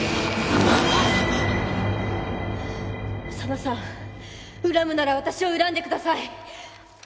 紗奈さん恨むなら私を恨んでください。